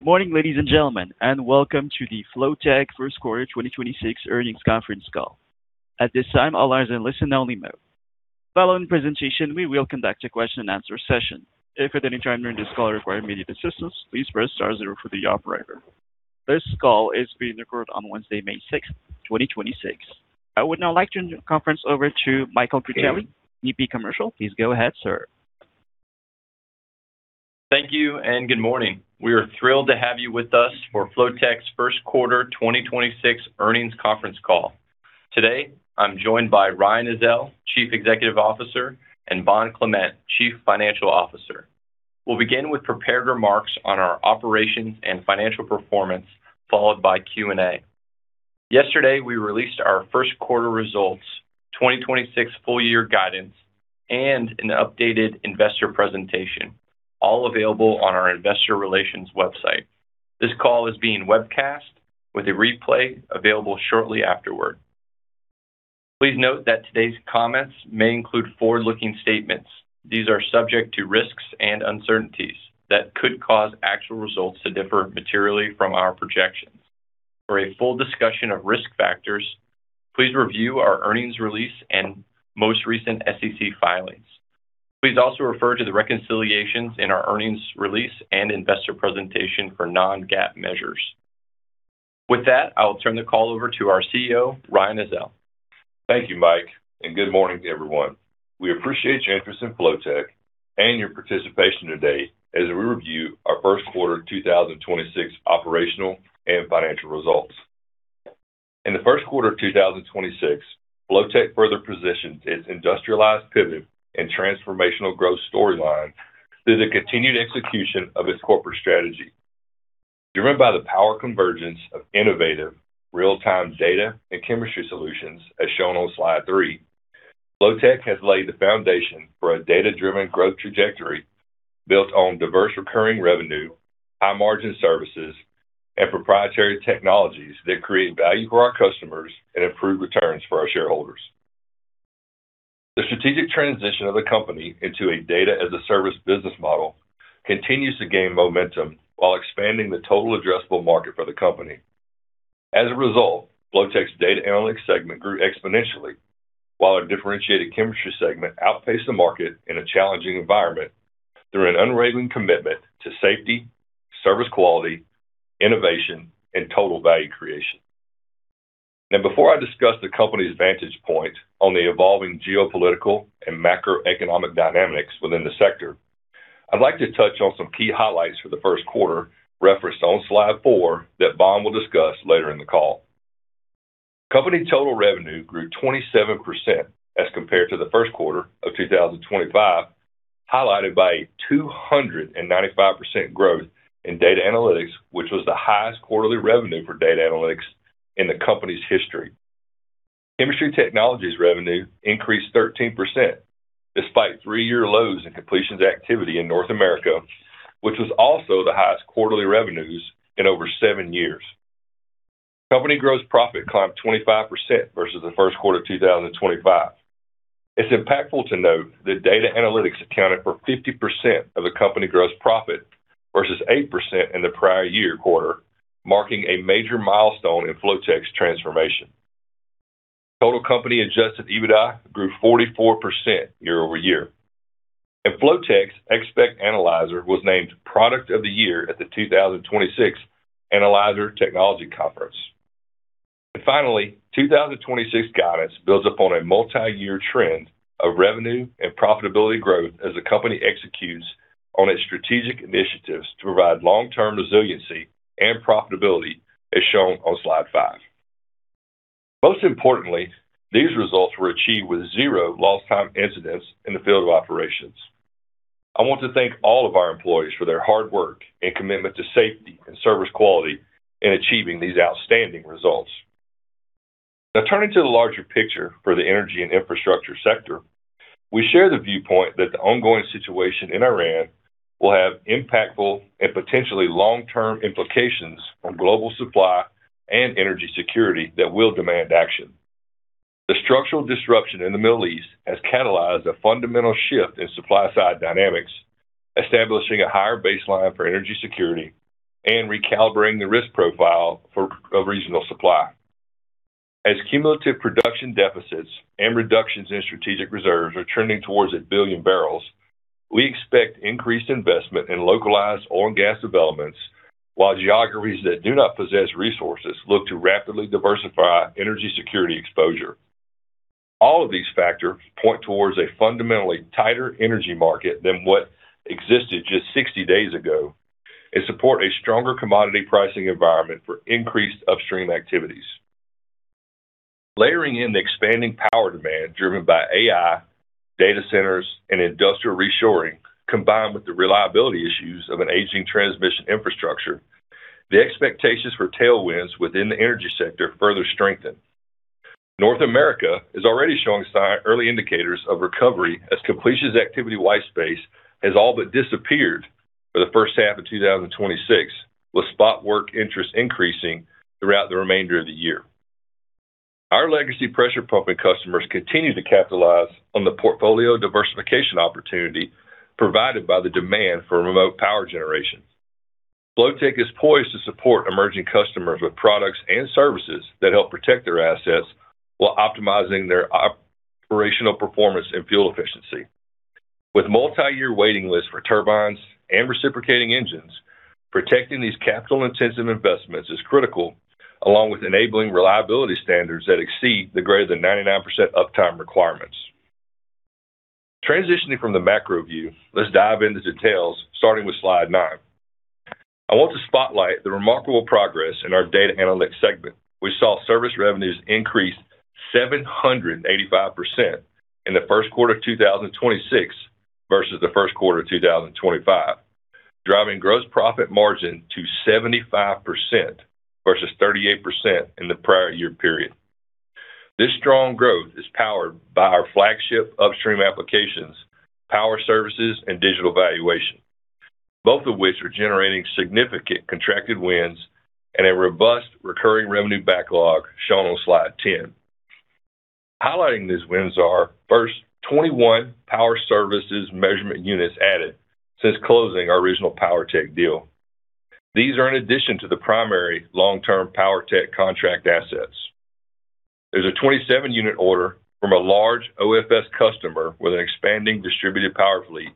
Good morning, ladies and gentlemen, and welcome to the Flotek first quarter 2026 earnings conference call. At this time, all lines are on listen-only mode. Following the presentation, we will conduct a question-and-answer session. If at any time in this call you require immediate assistance, please press star zero for the operator. This call is being recorded on Wednesday, May 6, 2026. I would now like to turn the conference over to Michael Critelli, VP Commercial. Please go ahead, sir. Thank you and good morning. We are thrilled to have you with us for Flotek's first quarter 2026 earnings conference call. Today, I'm joined by Ryan Ezell, Chief Executive Officer, and Bond Clement, Chief Financial Officer. We'll begin with prepared remarks on our operations and financial performance, followed by Q&A. Yesterday, we released our first quarter results, 2026 full year guidance, and an updated investor presentation, all available on our investor relations website. This call is being webcast with a replay available shortly afterward. Please note that today's comments may include forward-looking statements. These are subject to risks and uncertainties that could cause actual results to differ materially from our projections. For a full discussion of risk factors, please review our earnings release and most recent SEC filings. Please also refer to the reconciliations in our earnings release and investor presentation for non-GAAP measures. With that, I will turn the call over to our CEO, Ryan Ezell. Thank you, Mike, and good morning to everyone. We appreciate your interest in Flotek and your participation today as we review our first quarter 2026 operational and financial results. In the first quarter of 2026, Flotek further positioned its industrialized pivot and transformational growth storyline through the continued execution of its corporate strategy. Driven by the power convergence of innovative real-time data and chemistry solutions, as shown on slide 3, Flotek has laid the foundation for a data-driven growth trajectory built on diverse recurring revenue, high-margin services, and proprietary technologies that create value for our customers and improve returns for our shareholders. The strategic transition of the company into a Data-as-a-Service business model continues to gain momentum while expanding the total addressable market for the company. As a result, Flotek's Data Analytics segment grew exponentially, while our differentiated chemistry segment outpaced the market in a challenging environment through an unraveling commitment to safety, service quality, innovation, and total value creation. Before I discuss the company's vantage point on the evolving geopolitical and macroeconomic dynamics within the sector, I'd like to touch on some key highlights for the first quarter referenced on slide 4 that Bond will discuss later in the call. Company total revenue grew 27% as compared to the first quarter of 2025, highlighted by 295% growth in data analytics, which was the highest quarterly revenue for data analytics in the company's history. Chemistry technologies revenue increased 13% despite three-year lows in completions activity in North America, which was also the highest quarterly revenues in over seven years. Company gross profit climbed 25% versus the first quarter of 2025. It's impactful to note that data analytics accounted for 50% of the company's gross profit versus 8% in the prior year's quarter, marking a major milestone in Flotek's transformation. Total company adjusted EBITDA grew 44% year-over-year. Flotek's XSPCT Analyzer was named Product of the Year at the 2026 Analyzer Technology Conference. Finally, 2026 guidance builds upon a multi-year trend of revenue and profitability growth as the company executes on its strategic initiatives to provide long-term resiliency and profitability, as shown on slide 5. Most importantly, these results were achieved with zero lost-time incidents in the field of operations. I want to thank all of our employees for their hard work and commitment to safety and service quality in achieving these outstanding results. Now, turning to the larger picture for the energy and infrastructure sector, we share the viewpoint that the ongoing situation in Iran will have impactful and potentially long-term implications on global supply and energy security that will demand action. The structural disruption in the Middle East has catalyzed a fundamental shift in supply-side dynamics, establishing a higher baseline for energy security and recalibrating the risk profile for a regional supply. As cumulative production deficits and reductions in strategic reserves are trending towards 1 billion barrels, we expect increased investment in localized oil and gas developments, while geographies that do not possess resources look to rapidly diversify energy security exposure. All of these factors point towards a fundamentally tighter energy market than what existed just 60 days ago and support a stronger commodity pricing environment for increased upstream activities. Layering in the expanding power demand driven by AI, data centers, and industrial reshoring, combined with the reliability issues of an aging transmission infrastructure, the expectations for tailwinds within the energy sector further strengthen. North America is already showing early indicators of recovery as completion activity white space has all but disappeared for the first half of 2026, with spot work interest increasing throughout the remainder of the year. Our legacy pressure pumping customers continue to capitalize on the portfolio diversification opportunity provided by the demand for remote power generation. Flotek is poised to support emerging customers with products and services that help protect their assets while optimizing their operational performance and fuel efficiency. With multi-year waiting lists for turbines and reciprocating engines, protecting these capital-intensive investments is critical, along with enabling reliability standards that exceed the greater than 99% uptime requirements. Transitioning from the macro view, let's dive into details starting with slide nine. I want to spotlight the remarkable progress in our Data Analytics segment. We saw service revenues increase 785% in the first quarter of 2026 versus the first quarter of 2025, driving gross profit margin to 75% versus 38% in the prior year period. This strong growth is powered by our flagship upstream Power Services, and Digital Valuation, both of which are generating significant contracted wins and a robust recurring revenue backlog shown on slide ten. Highlighting these wins are first Power Services measurement units added since closing our original PowerTech deal. These are in addition to the primary long-term PowerTech contract assets. There's a 27-unit order from a large OFS customer with an expanding distributed power fleet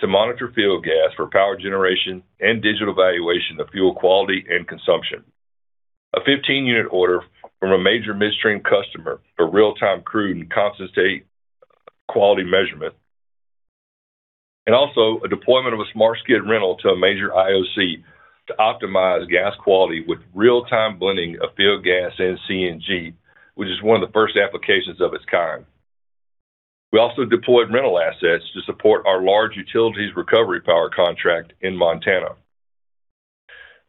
to monitor field gas for power generation and Digital Valuation of fuel quality and consumption. A 15-unit order from a major midstream customer for real-time crude and condensate quality measurement, and also a deployment of a smart skid rental to a major IOC to optimize gas quality with real-time blending of field gas and CNG, which is one of the first applications of its kind. We also deployed rental assets to support our large utilities recovery power contract in Montana.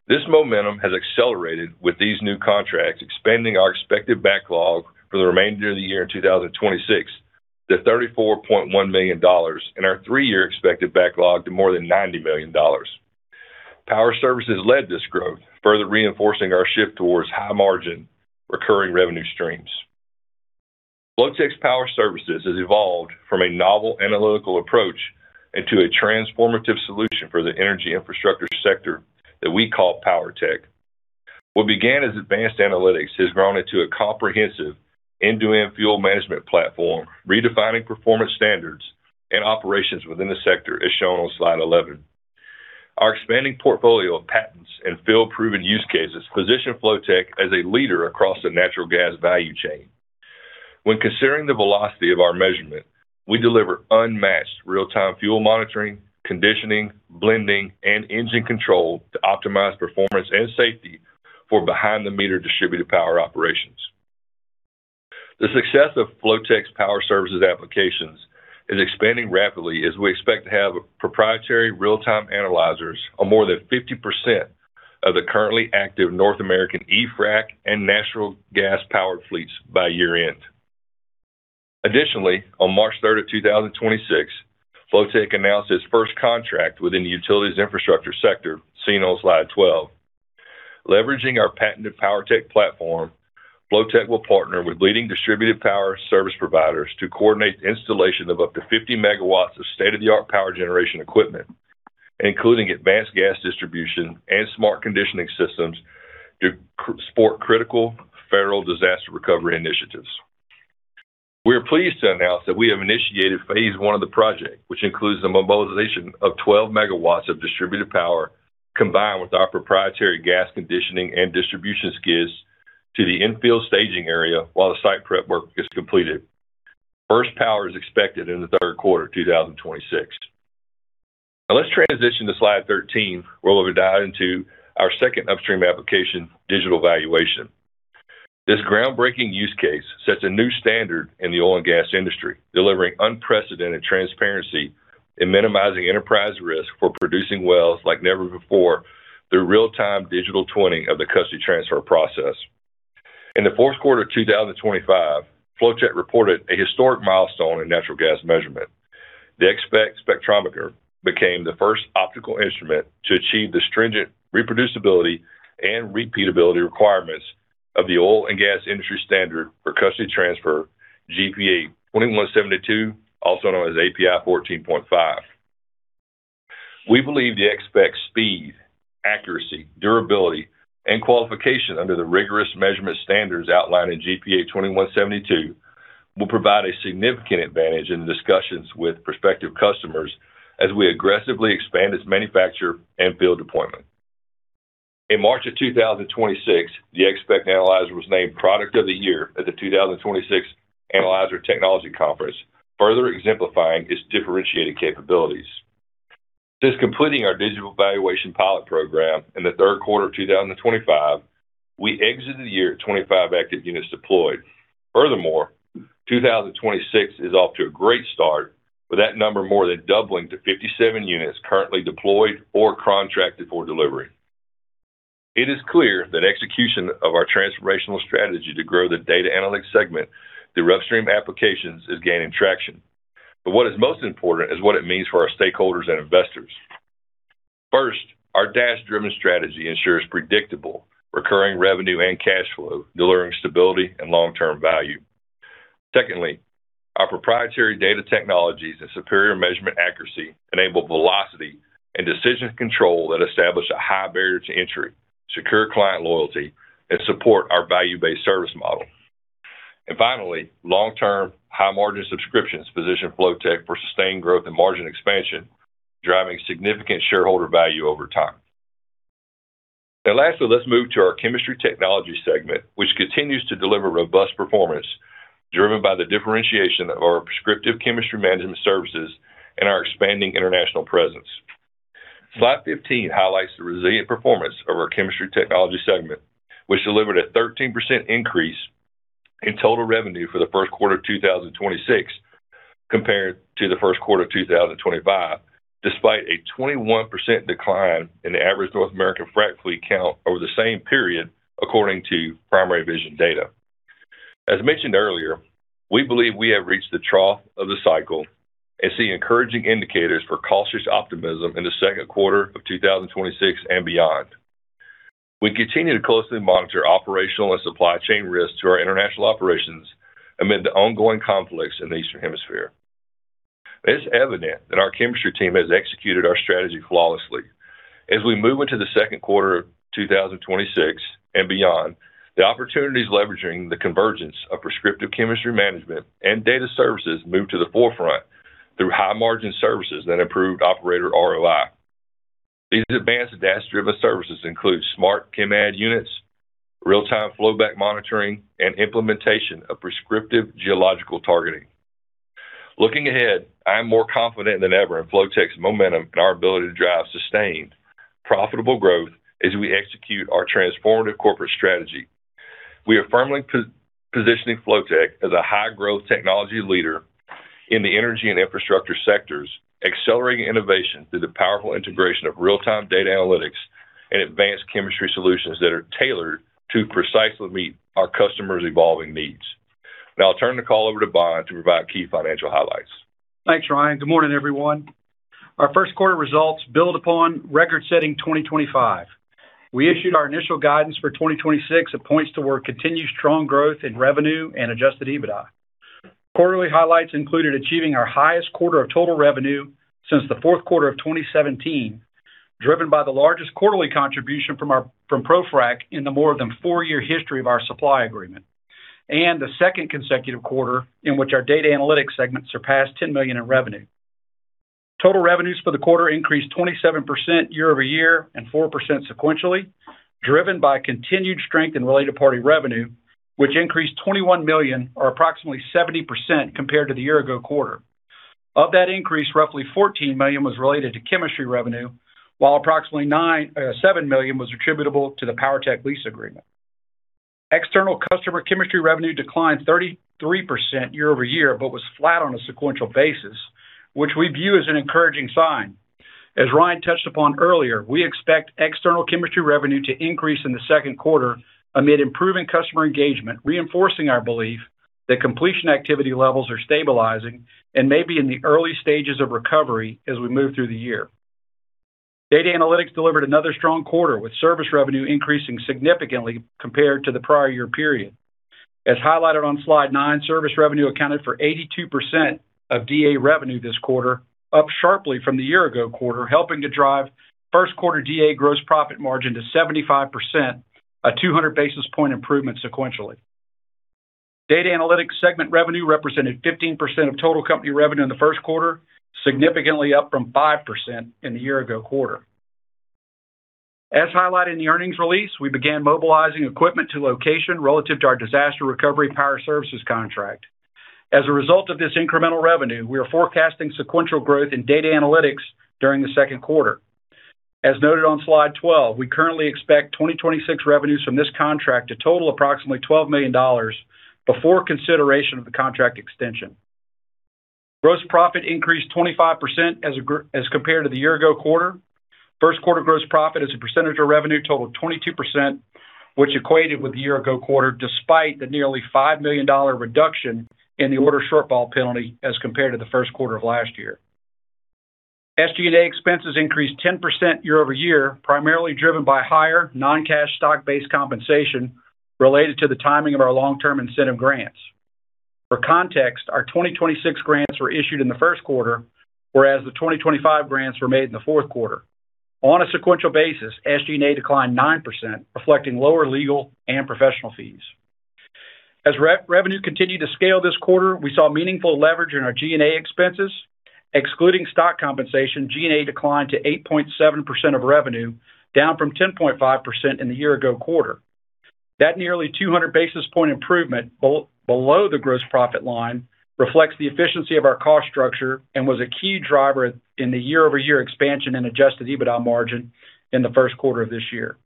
This momentum has accelerated with these new contracts, expanding our expected backlog for the remainder of the year in 2026 to $34.1 million and our three-year expected backlog to more than $90 million. Power Services led this growth, further reinforcing our shift towards high-margin recurring revenue streams. Flotek's Power Services has evolved from a novel analytical approach into a transformative solution for the energy infrastructure sector that we call PowerTech. What began as advanced analytics has grown into a comprehensive end-to-end fuel management platform, redefining performance standards and operations within the sector, as shown on slide 11. Our expanding portfolio of patents and field-proven use cases position Flotek as a leader across the natural gas value chain. When considering the velocity of our measurement, we deliver unmatched real-time fuel monitoring, conditioning, blending, and engine control to optimize performance and safety for behind the meter distributed power operations. The success of Flotek's Power Services applications is expanding rapidly as we expect to have proprietary real-time analyzers on more than 50% of the currently active North American e-Frac and natural gas-powered fleets by year-end. Additionally, on March 3rd, 2026, Flotek announced its first contract within the utilities infrastructure sector, seen on slide 12. Leveraging our patented PowerTech platform, Flotek will partner with leading distributed power service providers to coordinate the installation of up to 50 MW of state-of-the-art power generation equipment, including advanced gas distribution and smart conditioning systems to support critical federal disaster recovery initiatives. We are pleased to announce that we have initiated phase I of the project, which includes the mobilization of 12 MW of distributed power combined with our proprietary gas conditioning and distribution skids to the infield staging area while the site prep work gets completed. First power is expected in the third quarter 2026. Now let's transition to slide 13, where we'll dive into our second upstream application, Digital Valuation. This groundbreaking use case sets a new standard in the oil and gas industry, delivering unprecedented transparency and minimizing enterprise risk for producing wells like never before through real-time digital twinning of the custody transfer process. In the fourth quarter of 2025, Flotek reported a historic milestone in natural gas measurement. The XSPCT spectrometer became the first optical instrument to achieve the stringent reproducibility and repeatability requirements of the oil and gas industry standard for custody transfer, GPA 2172, also known as API 14.5. We believe the XSPCT speed, accuracy, durability, and qualification under the rigorous measurement standards outlined in GPA 2172 will provide a significant advantage in discussions with prospective customers as we aggressively expand its manufacture and field deployment. In March of 2026, the XSPCT Analyzer was named Product of the Year at the 2026 Analyzer Technology Conference, further exemplifying its differentiating capabilities. Since completing our Digital Valuation pilot program in the third quarter of 2025, we exited the year at 25 active units deployed. 2026 is off to a great start with that number more than doubling to 57 units currently deployed or contracted for delivery. It is clear that execution of our transformational strategy to grow the Data Analytics segment through upstream applications is gaining traction. What is most important is what it means for our stakeholders and investors. First, our data-driven strategy ensures predictable recurring revenue and cash flow, delivering stability and long-term value. Secondly, our proprietary data technologies and superior measurement accuracy enable velocity and decision control that establish a high barrier to entry, secure client loyalty, and support our value-based service model. Finally, long-term high-margin subscriptions position Flotek for sustained growth and margin expansion, driving significant shareholder value over time. Lastly, let's move to our chemistry technology segment, which continues to deliver robust performance driven by the differentiation of our Prescriptive Chemistry Management services and our expanding international presence. Slide 15 highlights the resilient performance of our chemistry technology segment, which delivered a 13% increase in total revenue for the first quarter of 2026 compared to the first quarter of 2025, despite a 21% decline in the average North American frac fleet count over the same period, according to Primary Vision data. As mentioned earlier, we believe we have reached the trough of the cycle and see encouraging indicators for cautious optimism in the second quarter of 2026 and beyond. We continue to closely monitor operational and supply chain risks to our international operations amid the ongoing conflicts in the Eastern Hemisphere. It's evident that our chemistry team has executed our strategy flawlessly. As we move into the second quarter of 2026 and beyond, the opportunities leveraging the convergence of Prescriptive Chemistry Management and data services move to the forefront through high-margin services that improved operator ROI. These advanced data-driven services include Smart Chem-Add units, real-time flowback monitoring, and implementation of prescriptive geological targeting. Looking ahead, I am more confident than ever in Flotek's momentum and our ability to drive sustained profitable growth as we execute our transformative corporate strategy. We are firmly positioning Flotek as a high-growth technology leader in the energy and infrastructure sectors, accelerating innovation through the powerful integration of real-time data analytics and advanced chemistry solutions that are tailored to precisely meet our customers' evolving needs. Now I'll turn the call over to Bond to provide key financial highlights. Thanks, Ryan. Good morning, everyone. Our first quarter results build upon record-setting 2025. We issued our initial guidance for 2026. It points toward continued strong growth in revenue and adjusted EBITDA. Quarterly highlights included achieving our highest quarter of total revenue since the fourth quarter of 2017, driven by the largest quarterly contribution from ProFrac in the more than four-year history of our supply agreement, and the second consecutive quarter in which our Data Analytics segment surpassed $10 million in revenue. Total revenues for the quarter increased 27% year-over-year and 4% sequentially, driven by continued strength in related party revenue, which increased $21 million or approximately 70% compared to the year-ago quarter. Of that increase, roughly $14 million was related to chemistry revenue, while approximately $7 million was attributable to the PowerTech lease agreement. External customer chemistry revenue declined 33% year-over-year, but was flat on a sequential basis, which we view as an encouraging sign. As Ryan touched upon earlier, we expect external chemistry revenue to increase in the second quarter amid improving customer engagement, reinforcing our belief that completion activity levels are stabilizing and may be in the early stages of recovery as we move through the year. Data analytics delivered another strong quarter, with service revenue increasing significantly compared to the prior year period. As highlighted on slide 9, service revenue accounted for 82% of DA revenue this quarter, up sharply from the year-ago quarter, helping to drive first quarter DA gross profit margin to 75%, a 200 basis point improvement sequentially. Data Analytics segment revenue represented 15% of total company revenue in the first quarter, significantly up from 5% in the year ago quarter. As highlighted in the earnings release, we began mobilizing equipment to location relative to our disaster recovery Power Services contract. As a result of this incremental revenue, we are forecasting sequential growth in data analytics during the second quarter. As noted on slide 12, we currently expect 2026 revenues from this contract to total approximately $12 million before consideration of the contract extension. Gross profit increased 25% as compared to the year-ago quarter. First quarter gross profit as a percentage of revenue totaled 22%, which equated with the year-ago quarter, despite the nearly $5 million reduction in the order shortfall penalty as compared to the first quarter of last year. SG&A expenses increased 10% year-over-year, primarily driven by higher non-cash stock-based compensation related to the timing of our long-term incentive grants. For context, our 2026 grants were issued in the first quarter, whereas the 2025 grants were made in the fourth quarter. On a sequential basis, SG&A declined 9%, reflecting lower legal and professional fees. As revenue continued to scale this quarter, we saw meaningful leverage in our G&A expenses. Excluding stock compensation, G&A declined to 8.7% of revenue, down from 10.5% in the year-ago quarter. That nearly 200 basis point improvement, below the gross profit line, reflects the efficiency of our cost structure and was a key driver in the year-over-year expansion and adjusted EBITDA margin in the first quarter of this year.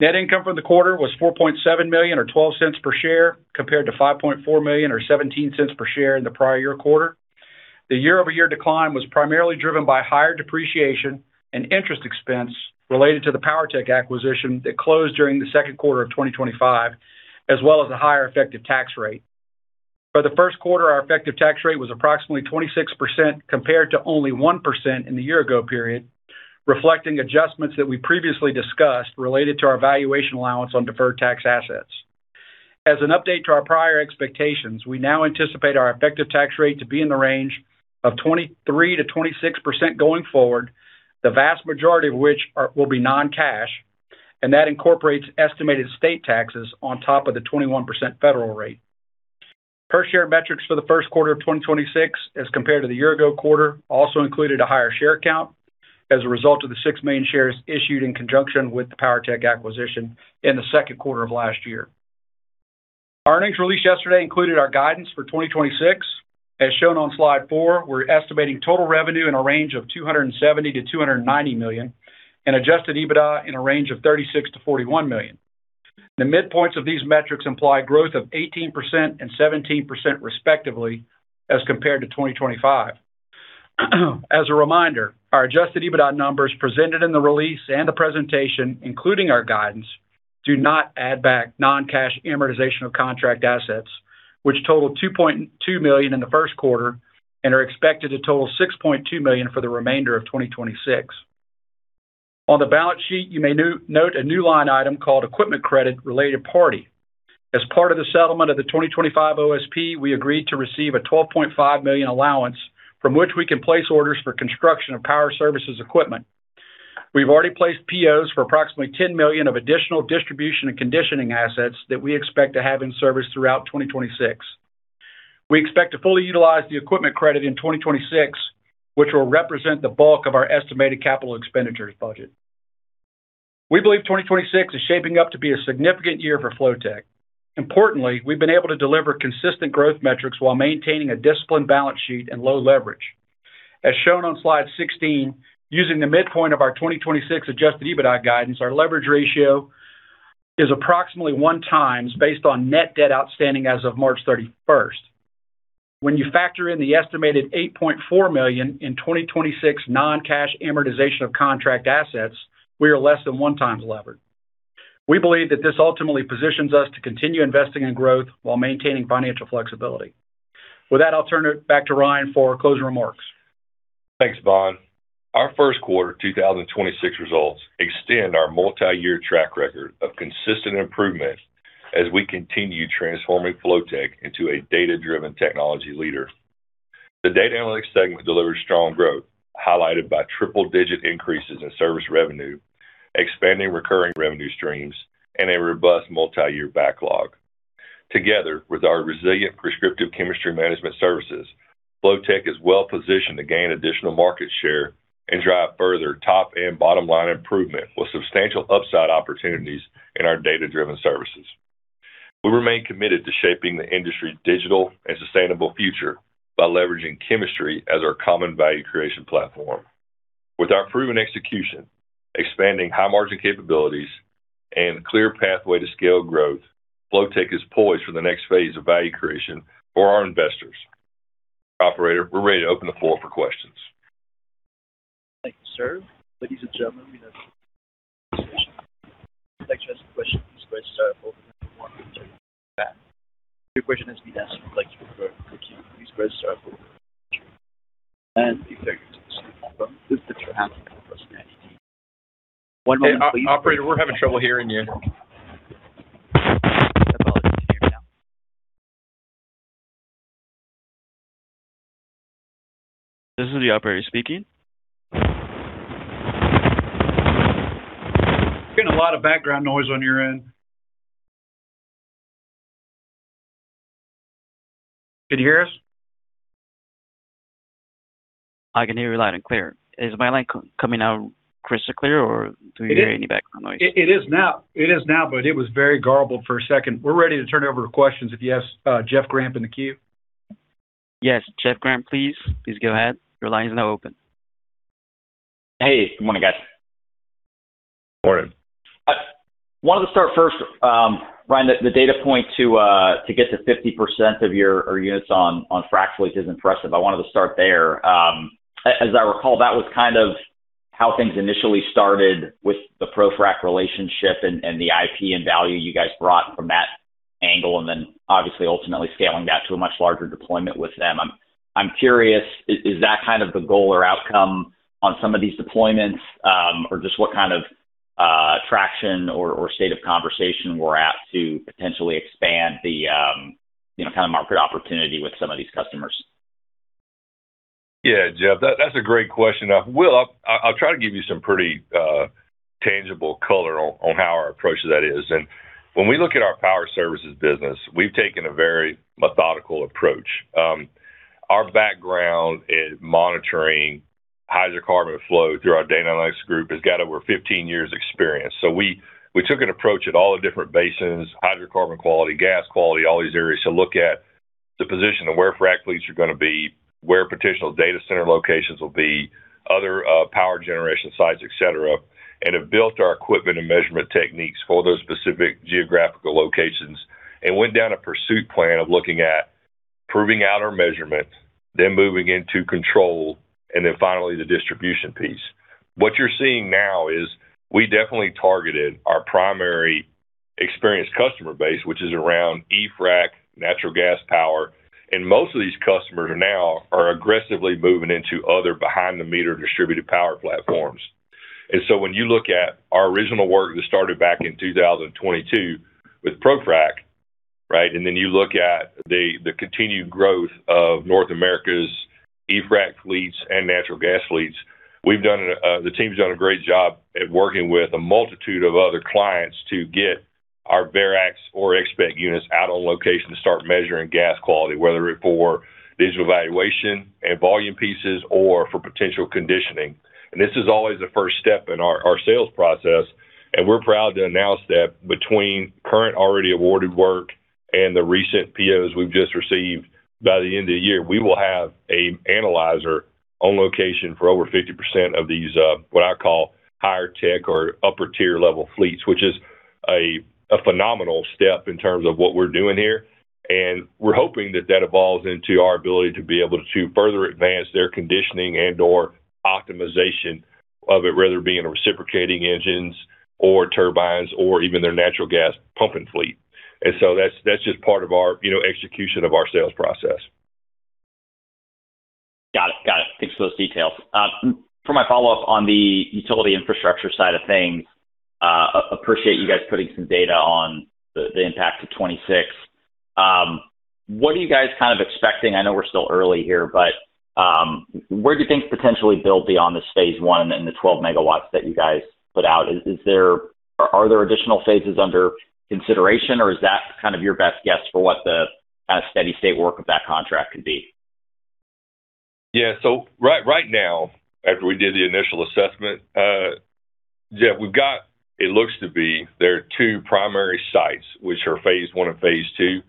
Net income for the quarter was $4.7 million or $0.12 per share, compared to $5.4 million or $0.17 per share in the prior year quarter. The year-over-year decline was primarily driven by higher depreciation and interest expense related to the PowerTech acquisition that closed during the second quarter of 2025, as well as the higher effective tax rate. For the first quarter, our effective tax rate was approximately 26% compared to only 1% in the year-ago period, reflecting adjustments that we previously discussed related to our valuation allowance on deferred tax assets. As an update to our prior expectations, we now anticipate our effective tax rate to be in the range of 23%-26% going forward, the vast majority of which will be non-cash, and that incorporates estimated state taxes on top of the 21% federal rate. Per-share metrics for the first quarter of 2026 as compared to the year-ago quarter also included a higher share count as a result of the 6 million shares issued in conjunction with the PowerTech acquisition in the second quarter of last year. Our earnings release yesterday included our guidance for 2026. As shown on slide 4, we're estimating total revenue in a range of $270 million-$290 million and adjusted EBITDA in a range of $36 million-$41 million. The midpoints of these metrics imply growth of 18% and 17%, respectively, as compared to 2025. As a reminder, our adjusted EBITDA numbers presented in the release and the presentation, including our guidance, do not add back non-cash amortization of contract assets, which totaled $2.2 million in the first quarter and are expected to total $6.2 million for the remainder of 2026. On the balance sheet, you may note a new line item called equipment credit related party. As part of the settlement of the 2025 OSP, we agreed to receive a $12.5 million allowance from which we can place orders for construction of Power Services equipment. We've already placed POs for approximately $10 million of additional distribution and conditioning assets that we expect to have in service throughout 2026. We expect to fully utilize the equipment credit in 2026, which will represent the bulk of our estimated capital expenditures budget. We believe 2026 is shaping up to be a significant year for Flotek. Importantly, we've been able to deliver consistent growth metrics while maintaining a disciplined balance sheet and low leverage. As shown on slide 16, using the midpoint of our 2026 adjusted EBITDA guidance, our leverage ratio is approximately 1x based on net debt outstanding as of March 31st. When you factor in the estimated $8.4 million in 2026 non-cash amortization of contract assets, we are less than 1x levered. We believe that this ultimately positions us to continue investing in growth while maintaining financial flexibility. With that, I'll turn it back to Ryan for closing remarks. Thanks, Bond. Our first quarter 2026 results extend our multi-year track record of consistent improvement as we continue transforming Flotek into a data-driven technology leader. The Data Analytics segment delivered strong growth, highlighted by triple-digit increases in service revenue, expanding recurring revenue streams, and a robust multi-year backlog. Together with our resilient Prescriptive Chemistry Management services, Flotek is well-positioned to gain additional market share and drive further top and bottom line improvement with substantial upside opportunities in our data-driven services. We remain committed to shaping the industry's digital and sustainable future by leveraging chemistry as our common value creation platform. With our proven execution, expanding high margin capabilities, and clear pathway to scale growth, Flotek is poised for the next phase of value creation for our investors. Operator, we're ready to open the floor for questions. Thank you, sir. Ladies and gentlemen, we have. Your question has been asked. If you'd like to drop the queue, please press star four. And if there Hey, operator, we're having trouble hearing you. This is the operator speaking. Getting a lot of background noise on your end. Can you hear us? I can hear you loud and clear. Is my line coming out crystal clear, or do you hear any background noise? It is now. It is now, but it was very garbled for a second. We're ready to turn it over to questions if you ask Jeff Grampp in the queue. Yes. Jeff Grampp, please go ahead. Your line is now open. Hey, good morning, guys. Morning. I wanted to start first, Ryan, the data point to get to 50% of your units on frac fleet is impressive. I wanted to start there. As I recall, that was kind of how things initially started with the ProFrac relationship and the IP and value you guys brought from that angle, and then obviously ultimately scaling that to a much larger deployment with them. I'm curious, is that kind of the goal or outcome on some of these deployments? Or just what kind of traction or state of conversation we're at to potentially expand the, you know, kind of market opportunity with some of these customers? Yeah, Jeff, that's a great question. I'll try to give you some pretty tangible color on how our approach to that is. When we look at our Power Services business, we've taken a very methodical approach. Our background in monitoring hydrocarbon flow through our data analytics group has got over 15 years experience. We took an approach at all the different basins, hydrocarbon quality, gas quality, all these areas to look at to position where frac fleets are gonna be, where potential data center locations will be, other power generation sites, et cetera, and have built our equipment and measurement techniques for those specific geographical locations and went down a pursuit plan of looking at proving out our measurement, then moving into control, and then finally the distribution piece. What you're seeing now is we definitely targeted our primary experienced customer base, which is around e-Frac natural gas power, and most of these customers now are aggressively moving into other behind-the-meter distributed power platforms. When you look at our original work that started back in 2022 with ProFrac. You look at the continued growth of North America's e-Frac fleets and natural gas fleets. The team's done a great job at working with a multitude of other clients to get our VariX or XSPCT units out on location to start measuring gas quality, whether it for Digital Valuation and volume pieces or for potential conditioning. This is always the first step in our sales process, and we're proud to announce that between current already awarded work and the recent POs we've just received, by the end of the year, we will have an analyzer on location for over 50% of these, what I call higher tech or upper-tier level fleets, which is a phenomenal step in terms of what we're doing here. We're hoping that that evolves into our ability to be able to further advance their conditioning and/or optimization of it, whether it be in reciprocating engines or turbines or even their natural gas pumping fleet. That's just part of our, you know, execution of our sales process. Got it. Got it. Thanks for those details. For my follow-up on the utility infrastructure side of things, appreciate you guys putting some data on the impact of 2026. What are you guys kind of expecting? I know we're still early here, but where do things potentially build beyond this phase I and the 12 MW that you guys put out? Are there additional phases under consideration, or is that kind of your best guess for what the steady state work of that contract could be? Right now, after we did the initial assessment, Jeff, we've got It looks to be there are two primary sites, which are phase I and phase II.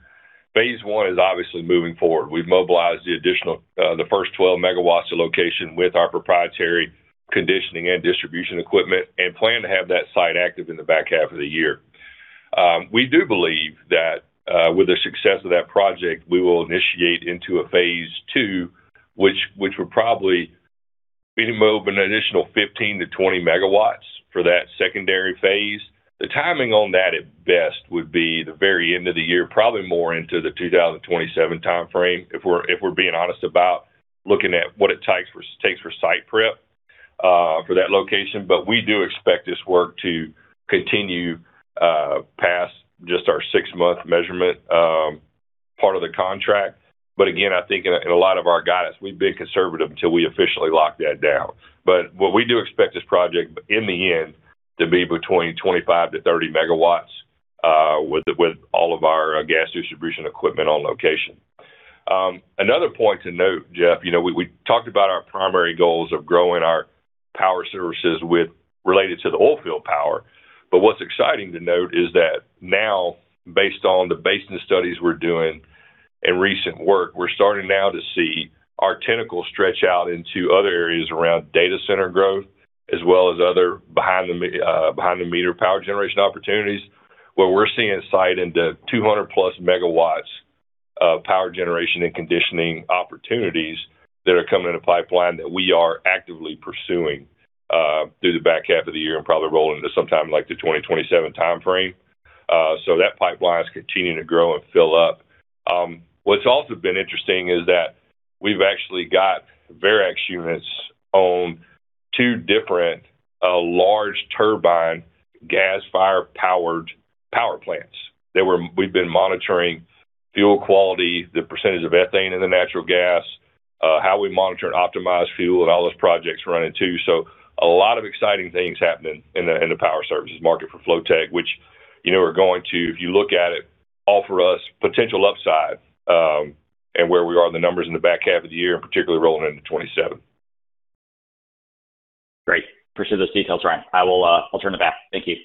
phase I is obviously moving forward. We've mobilized the additional, the first 12 MW of location with our proprietary conditioning and distribution equipment and plan to have that site active in the back half of the year. We do believe that, with the success of that project, we will initiate into a phase II, which would probably be to move an additional 15 MW-20 MW for that secondary phase. The timing on that at best would be the very end of the year, probably more into the 2027 timeframe, if we're being honest about looking at what it takes for site prep for that location. We do expect this work to continue, past just our six-month measurement part of the contract. Again, I think in a lot of our guidance, we've been conservative until we officially lock that down. What we do expect this project in the end to be between 25 MW-30 MW, with all of our gas distribution equipment on location. Another point to note, Jeff, you know, we talked about our primary goals of growing our Power Services with related to the oil field power. What's exciting to note is that now, based on the basin studies we're doing and recent work, we're starting now to see our tentacles stretch out into other areas around data center growth, as well as other behind the meter power generation opportunities, where we're seeing a site into 200+ MW of power generation and conditioning opportunities that are coming in a pipeline that we are actively pursuing through the back half of the year and probably roll into sometime like the 2027 timeframe. That pipeline is continuing to grow and fill up. What's also been interesting is that we've actually got VariX units on two different large turbine gas-fired power plants. We've been monitoring fuel quality, the percentage of ethane in the natural gas, how we monitor and optimize fuel, and all those projects running too. A lot of exciting things happening in the Power Services market for Flotek, which, you know, are going to, if you look at it, offer us potential upside, in where we are in the numbers in the back half of the year, and particularly rolling into 2027. Great. Appreciate those details, Ryan. I'll turn it back. Thank you.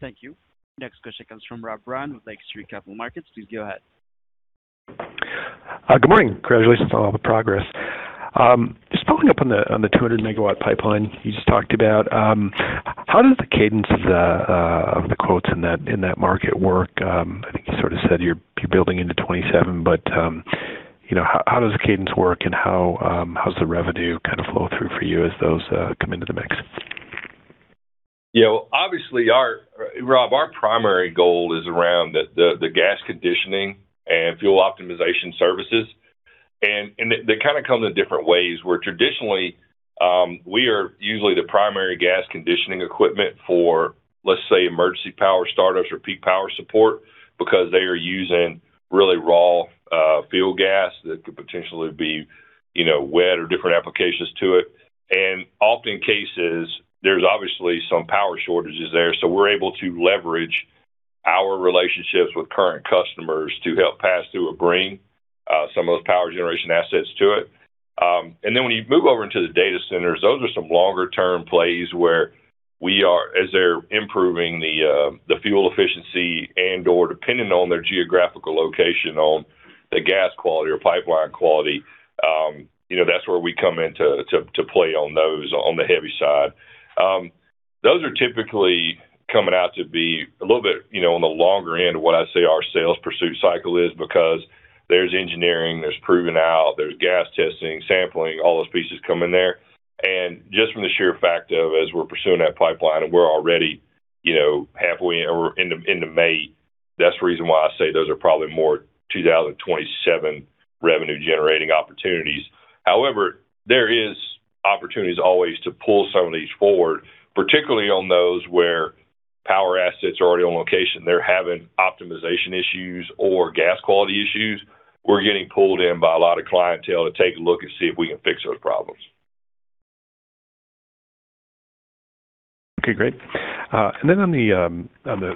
Thank you. Next question comes from Rob Brown with Lake Street Capital Markets. Please go ahead. Good morning. Congratulations on all the progress. Just following up on the 200 MW pipeline you just talked about, how does the cadence of the quotes in that, in that market work? I think you sort of said you're building into 2027, but, you know, how does the cadence work, and how's the revenue kind of flow through for you as those come into the mix? You know, obviously, Rob, our primary goal is around the gas conditioning and fuel optimization services. They kind of come in different ways, where traditionally, we are usually the primary gas conditioning equipment for, let say, emergency power startups or peak power support because they are using really raw fuel gas that could potentially be, you know, wet or different applications to it. Often cases, there's obviously some power shortages there, so we're able to leverage our relationships with current customers to help pass through or bring some of those power generation assets to it. Then, when you move over into the data centers, those are some longer-term plays where we are as they're improving the fuel efficiency and/or depending on their geographical location, on the gas quality or pipeline quality, you know, that's where we come in to play on those on the heavy side. Those are typically coming out to be a little bit, you know, on the longer end of what I say our sales pursuit cycle is because there's engineering, there's proven out, there's gas testing, sampling, all those pieces come in there. Just from the sheer fact of as we're pursuing that pipeline and we're already, you know, halfway or into May, that's the reason why I say those are probably more 2027 revenue-generating opportunities. There is opportunities always to pull some of these forward, particularly on those where power assets are already on location. They're having optimization issues or gas quality issues. We're getting pulled in by a lot of clientele to take a look and see if we can fix those problems. Okay, great. On the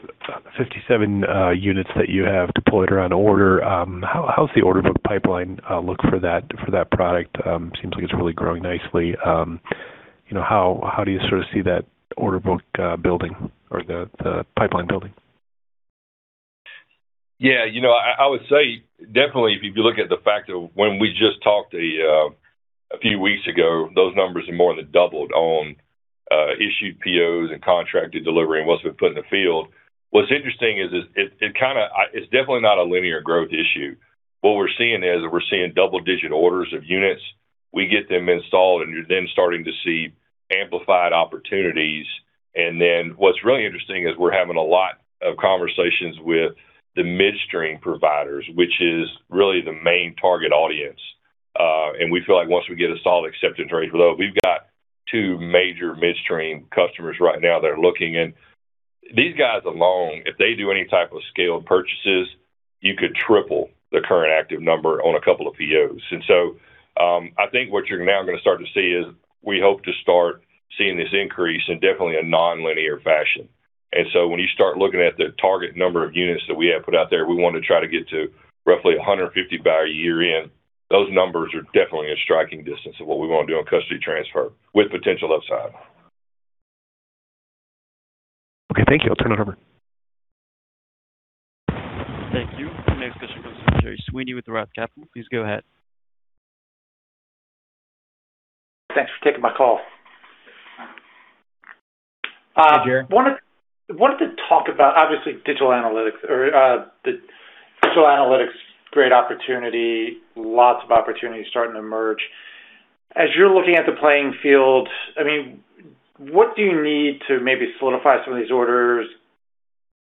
57 units that you have deployed around order, how's the order book pipeline look for that product? Seems like it's really growing nicely. You know, how do you sort of see that order book building or the pipeline building? Yeah, you know, I would say definitely if you look at the fact that when we just talked a few weeks ago, those numbers have more than doubled on issued POs and contracted delivery and what's been put in the field. What's interesting is it kind of, it's definitely not a linear growth issue. What we're seeing is we're seeing double-digit orders of units. We get them installed, you're then starting to see amplified opportunities. What's really interesting is we're having a lot of conversations with the midstream providers, which is really the main target audience. We feel like once we get a solid acceptance rate below, we've got two major midstream customers right now that are looking. These guys alone, if they do any type of scaled purchases, you could triple the current active number on a couple of POs. I think what you're now gonna start to see is we hope to start seeing this increase in definitely a nonlinear fashion. When you start looking at the target number of units that we have put out there, we want to try to get to roughly 150 by year-end. Those numbers are definitely in striking distance of what we wanna do on custody transfer with potential upside. Okay, thank you. I'll turn it over. Thank you. The next question comes from Gerry Sweeney with ROTH MKM. Please go ahead. Thanks for taking my call. Hey, Gerry. Wanted to talk about obviously digital analytics or the digital analytics, great opportunity, lots of opportunities starting to emerge. As you're looking at the playing field, I mean, what do you need to maybe solidify some of these orders,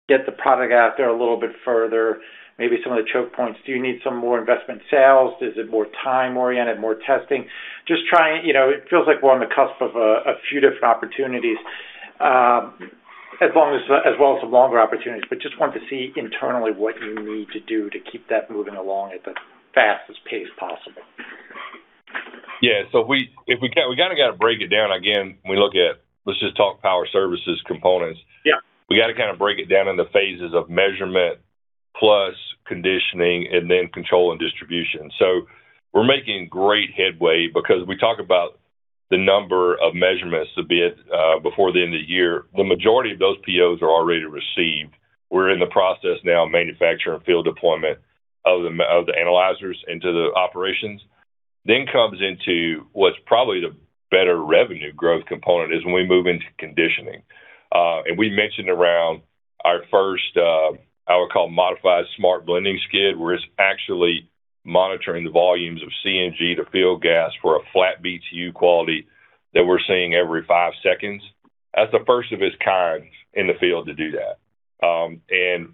get the product out there a little bit further, maybe some of the choke points? Do you need some more investment sales? Is it more time-oriented, more testing? You know, it feels like we're on the cusp of a few different opportunities, as well as some longer opportunities. Just wanted to see internally what you need to do to keep that moving along at the fastest pace possible. Yeah. If we can, we kinda gotta break it down again. Let's just talk Power Services components. Yeah. We gotta kinda break it down into phases of measurement plus conditioning and then control and distribution. We're making great headway because we talk about the number of measurements to be at before the end of the year. The majority of those POs are already received. We're in the process now of manufacturing field deployment of the analyzers into the operations. Comes into what's probably the better revenue growth component is when we move into conditioning. And we mentioned around our first, I would call modified Smart Blending Skid, where it's actually monitoring the volumes of CNG to field gas for a flat BTU quality that we're seeing every five seconds. That's the first of its kind in the field to do that.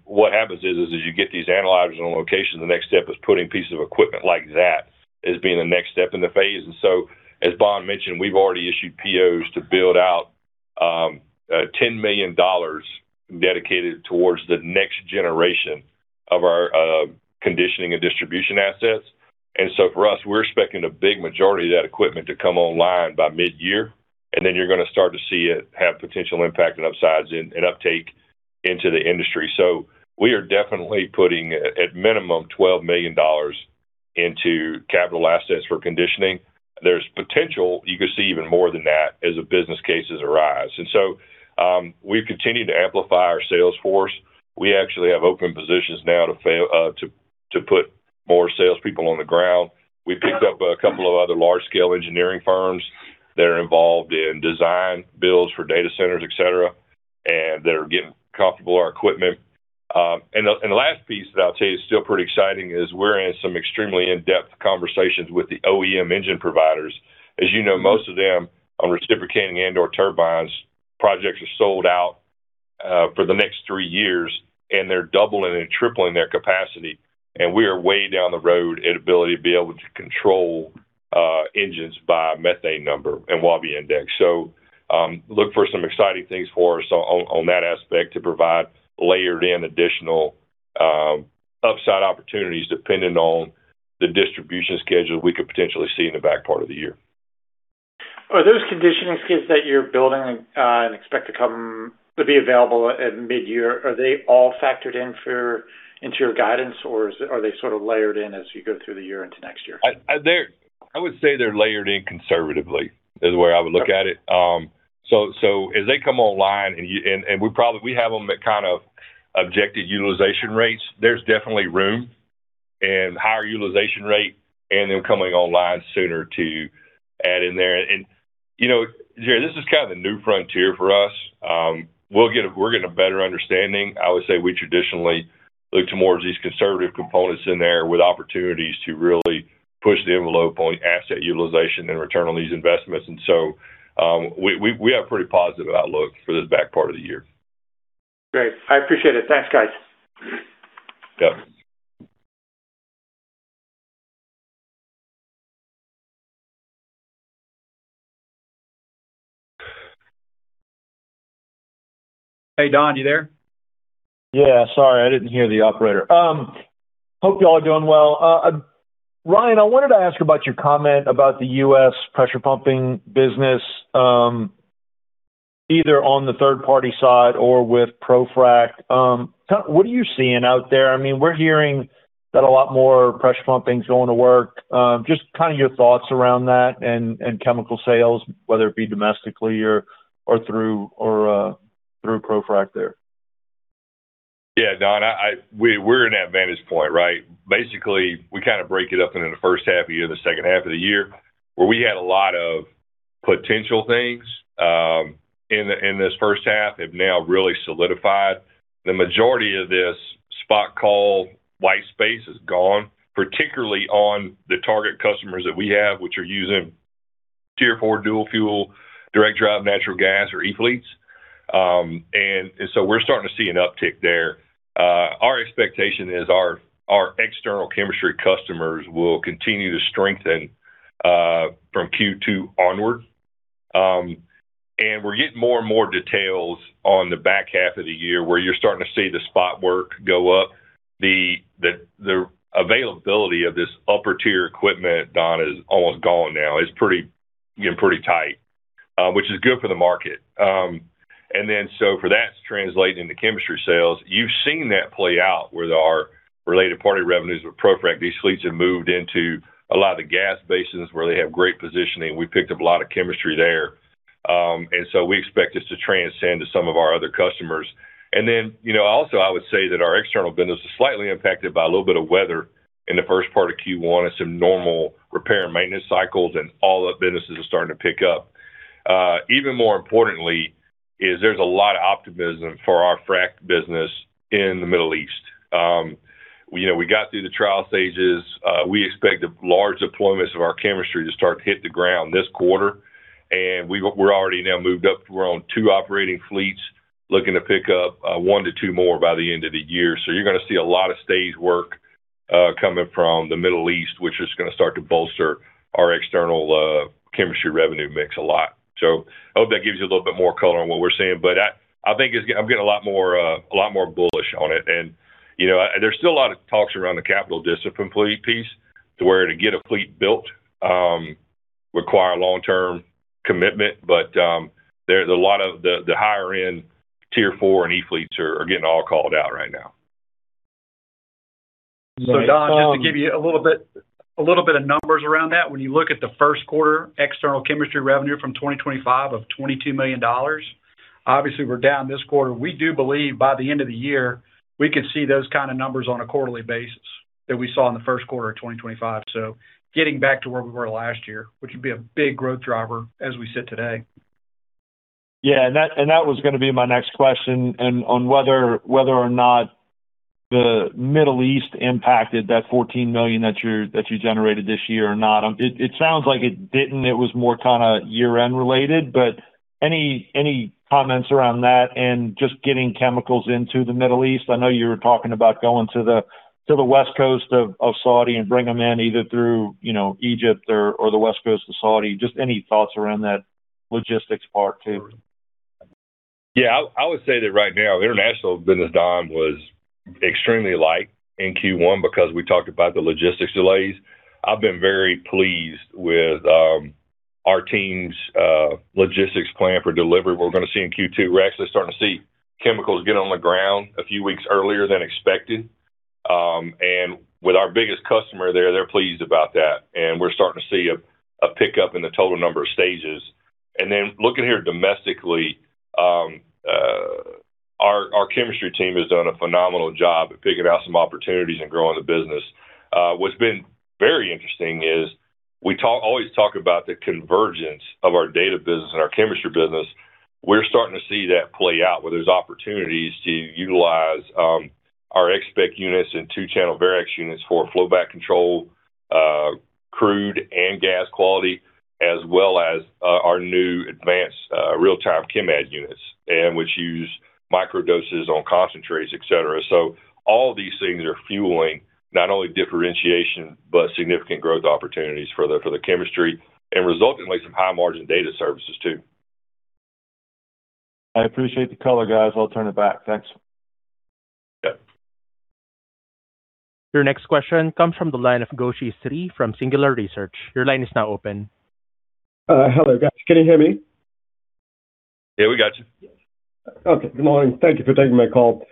What happens is you get these analyzers on location, the next step is putting pieces of equipment like that as being the next step in the phase. As Bond mentioned, we've already issued POs to build out, $10 million dedicated towards the next generation of our conditioning and distribution assets. For us, we're expecting a big majority of that equipment to come online by mid-year, and then you're going to start to see it have potential impact and upsides and uptake into the industry. We are definitely putting a minimum $12 million into capital assets for conditioning. There's potential you could see even more than that as the business cases arise. We've continued to amplify our sales force. We actually have open positions now to put more salespeople on the ground. We picked up a couple of other large-scale engineering firms that are involved in design builds for data centers, et cetera, and that are getting comfortable with our equipment. The last piece that I'll tell you is still pretty exciting is we're in some extremely in-depth conversations with the OEM engine providers. As you know, most of them on reciprocating and/or turbines, projects are sold out for the next three years, and they're doubling and tripling their capacity. We are way down the road at ability to be able to control engines by methane number and Wobbe Index. Look for some exciting things for us on that aspect to provide layered in additional upside opportunities depending on the distribution schedule we could potentially see in the back part of the year. Are those conditioning skids that you're building, and expect to be available at midyear, are they all factored into your guidance, or is it are they sort of layered in as you go through the year into next year? I would say they're layered in conservatively is the way I would look at it. As they come online, and we have them at kind of objective utilization rates. There's definitely room and higher utilization rate and them coming online sooner to add in there. You know, Gerry, this is kind of the new frontier for us. We're getting a better understanding. I would say we traditionally look to more of these conservative components in there with opportunities to really push the envelope on asset utilization and return on these investments. We have a pretty positive outlook for this back part of the year. Great. I appreciate it. Thanks, guys. Yep. Hey, Don, you there? Yeah. Sorry, I didn't hear the operator. Hope you all are doing well. Ryan, I wanted to ask about your comment about the U.S. pressure pumping business, either on the third-party side or with ProFrac. What are you seeing out there? I mean, we're hearing that a lot more pressure pumping is going to work. Just kind of your thoughts around that and chemical sales, whether it be domestically or through ProFrac there. Don, we're in an advantage point, right. Basically, we kind of break it up into the first half of the year and the second half of the year, where we had a lot of potential things in this first half have now really solidified. The majority of this spot call white space is gone, particularly on the target customers that we have, which are using Tier 4 dual fuel, direct drive natural gas or e-fleets. We're starting to see an uptick there. Our expectation is our external chemistry customers will continue to strengthen from Q2 onward. We're getting more and more details on the back half of the year where you're starting to see the spot work go up. The availability of this upper-tier equipment, Donald, is almost gone now. It's getting pretty tight, which is good for the market. For that to translate into chemistry sales, you've seen that play out with our related party revenues with ProFrac. These fleets have moved into a lot of the gas basins where they have great positioning. We picked up a lot of chemistry there. We expect this to transcend to some of our other customers. You know, also, I would say that our external business is slightly impacted by a little bit of weather in the first part of Q1 and some normal repair and maintenance cycles, and all the businesses are starting to pick up. Even more importantly is there's a lot of optimism for our frac business in the Middle East. You know, we got through the trial stages. We expect large deployments of our chemistry to start to hit the ground this quarter. We're already now moved up. We're on two operating fleets, looking to pick up 1-2 more by the end of the year. You're gonna see a lot of stage work coming from the Middle East, which is gonna start to bolster our external chemistry revenue mix a lot. I hope that gives you a little bit more color on what we're seeing. I think I'm getting a lot more, a lot more bullish on it. You know, there's still a lot of talks around the capital discipline fleet piece to where to get a fleet built, require long-term commitment. There's a lot of the higher-end Tier 4 and e-fleets are getting all called out right now. Don, just to give you a little bit of numbers around that. When you look at the first quarter external chemistry revenue from 2025 of $22 million, obviously we're down this quarter. We do believe by the end of the year, we could see those kinda numbers on a quarterly basis that we saw in the first quarter of 2025. Getting back to where we were last year, which would be a big growth driver as we sit today. Yeah. That was gonna be my next question on whether or not the Middle East impacted that $14 million that you generated this year or not. It sounds like it didn't, it was more kinda year-end related, any comments around that, and just getting chemicals into the Middle East? I know you were talking about going to the West Coast of Saudi and bring them in either through, you know, Egypt or the West Coast of Saudi. Any thoughts around that logistics part too. Yeah. I would say that right now, international business, Don, was extremely light in Q1 because we talked about the logistics delays. I've been very pleased with our team's logistics plan for delivery we're gonna see in Q2. We're actually starting to see chemicals get on the ground a few weeks earlier than expected. With our biggest customer there, they're pleased about that, and we're starting to see a pickup in the total number of stages. Looking here domestically, our chemistry team has done a phenomenal job at picking out some opportunities and growing the business. What's been very interesting is we always talk about the convergence of our data business and our chemistry business. We're starting to see that play out, where there's opportunities to utilize our XSPCT units and two-channel VariX units for flowback control, crude and gas quality, as well as our new advanced, real-time Chem-Add units, which use microdoses on concentrates, et cetera. All these things are fueling not only differentiation, but significant growth opportunities for the chemistry and, resultantly, some high-margin data services too. I appreciate the color, guys. I'll turn it back. Thanks. Yep. Your next question comes from the line of Gowshi Sri from Singular Research. Your line is now open. Hello, guys. Can you hear me? Yeah, we got you. Good morning. Thank you for taking my call.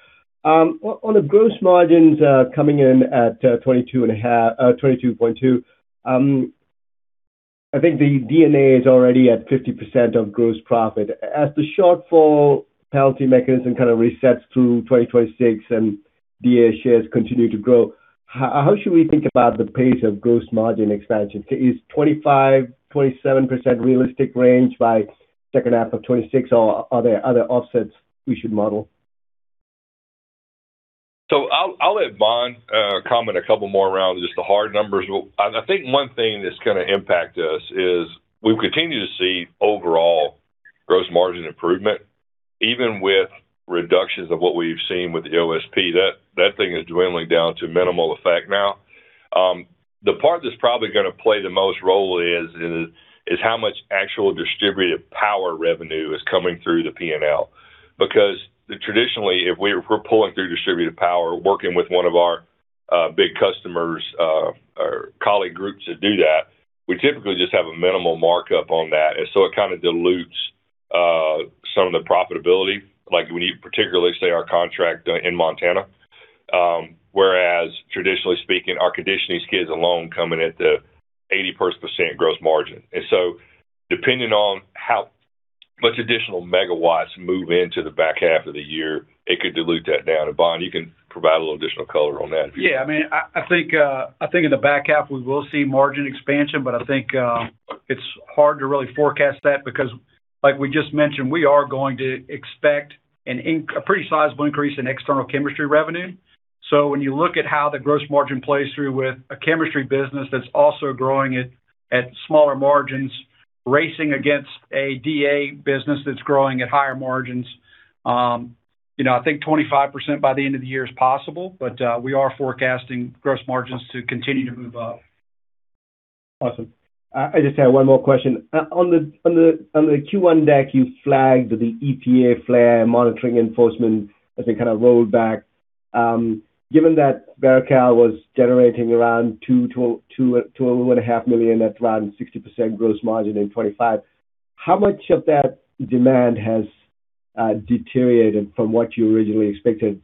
On gross margins, coming in at 22.2%, I think the D&A is already at 50% of gross profit. As the shortfall penalty mechanism kind of resets through 2026 and DA sales continue to grow, how should we think about the pace of gross margin expansion? Is 25%-27% realistic range by second half of 2026, or are there other offsets we should model? I'll let Bond comment a couple more around just the hard numbers. I think one thing that's gonna impact us is we've continued to see overall gross margin improvement even with reductions of what we've seen with the OSP. That thing is dwindling down to minimal effect now. The part that's probably gonna play the most role is how much actual distributed power revenue is coming through the P&L. Traditionally, if we're pulling through distributed power, working with one of our big customers or colleague groups that do that, we typically just have a minimal markup on that. It kind of dilutes some of the profitability, like when you particularly say our contract in Montana. Whereas traditionally speaking, our conditioning skids alone come in at the 80% gross margin. Depending on how much additional megawatts move into the back half of the year, it could dilute that down. Bond, you can provide a little additional color on that if you'd like. Yeah, I mean, I think, I think in the back half we will see margin expansion, but I think, it's hard to really forecast that because like we just mentioned, we are going to expect a pretty sizable increase in external chemistry revenue. When you look at how the gross margin plays through with a chemistry business that's also growing at smaller margins, racing against a DA business that's growing at higher margins, you know, I think 25% by the end of the year is possible, but we are forecasting gross margins to continue to move up. Awesome. I just had one more question. On the Q1 deck, you flagged the EPA flare monitoring enforcement as they kind of rolled back. Given that VeraCal was generating around $2 million-$2.5 million at around 60% gross margin in 2025, how much of that demand has deteriorated from what you originally expected?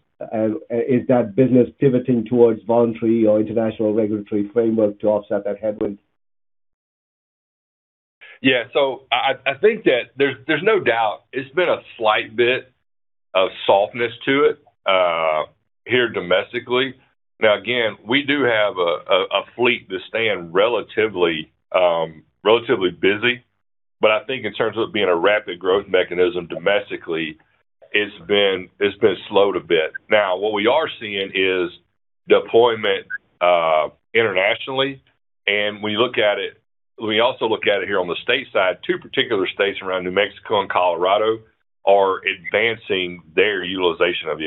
Is that business pivoting towards voluntary or international regulatory framework to offset that headwind? Yeah. I think that there's no doubt it's been a slight bit of softness to it here domestically. We do have a fleet that's staying relatively busy. I think in terms of it being a rapid growth mechanism domestically, it's been slowed a bit. What we are seeing is deployment internationally, and we also look at it here on the state side. Two particular states around New Mexico and Colorado are advancing their utilization of the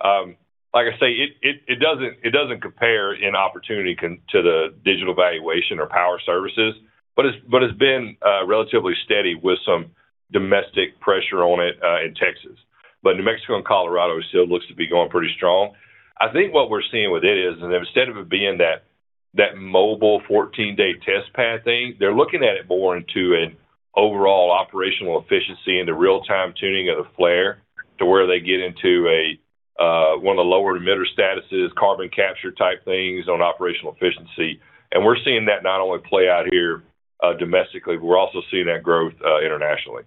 equipment. Like I say, it doesn't compare in opportunity to the Digital Valuation or Power Services, but it's been relatively steady with some domestic pressure on it in Texas. New Mexico and Colorado still looks to be going pretty strong. I think what we're seeing with it is instead of it being that mobile 14-day test pad thing, they're looking at it more into an overall operational efficiency and the real-time tuning of the flare to where they get into one of the lower emitter statuses, carbon capture type things on operational efficiency. We're seeing that not only play out here domestically, but we're also seeing that growth internationally.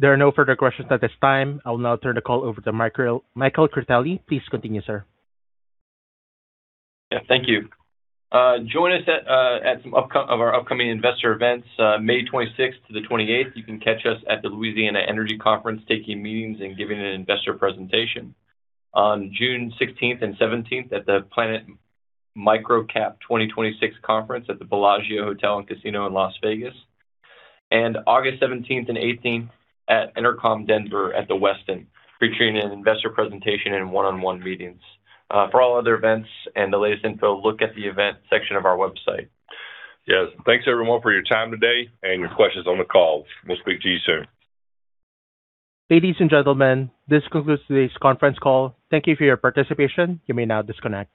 There are no further questions at this time. I'll now turn the call over to Michael, Michael Critelli. Please continue, sir. Yeah, thank you. Join us at some of our upcoming investor events. May 26th to the 28th, you can catch us at the Louisiana Energy Conference, taking meetings and giving an investor presentation. On June 16th and 17th at the Planet MicroCap 2026 conference at the Bellagio Hotel and Casino in Las Vegas. August 17th and 18th at EnerCom Denver at the Westin, featuring an investor presentation and one-on-one meetings. For all other events and the latest info, look at the events section of our website. Yes. Thanks everyone for your time today and your questions on the call. We'll speak to you soon. Ladies and gentlemen, this concludes today's conference call. Thank you for your participation. You may now disconnect.